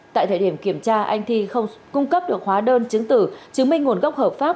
tại thời điểm kiểm tra anh thi không cung cấp được hóa đơn chứng tử chứng minh nguồn gốc hợp pháp